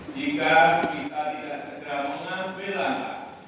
jika kita tidak segera mengampilannya